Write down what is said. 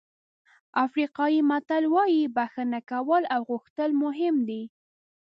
افریقایي متل وایي بښنه کول او غوښتل مهم دي.